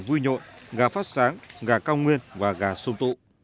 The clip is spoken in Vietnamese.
gà vui nhội gà phát sáng gà cao nguyên và gà sông tụ